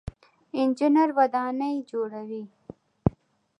انجنیر ودانۍ جوړوي.